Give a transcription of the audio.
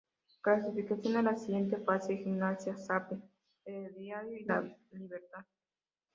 Clasificaron a la siguiente fase Gimnástica, Saprissa, Herediano y La Libertad.